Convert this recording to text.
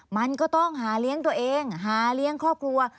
มันก็ต้องหาเลี้ยงตัวเองหาเลี้ยงครอบครัว